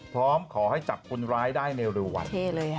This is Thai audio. พร้อมขอให้จับคนร้ายได้ในเร็ววัน